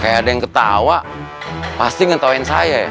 kayak ada yang ketawa pasti ketawain saya